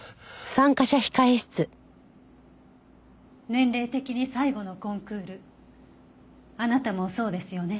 年齢的に最後のコンクールあなたもそうですよね？